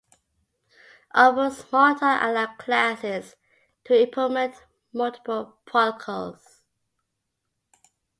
All but Smalltalk allow classes to implement multiple protocols.